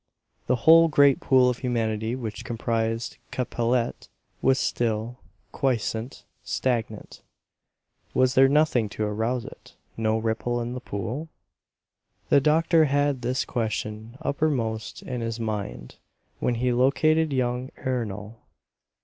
The whole great pool of humanity which comprised Capellette was still, quiescent, stagnant. Was there nothing to arouse it, no ripple in the pool? The doctor had this question uppermost in his mind when he located young Ernol.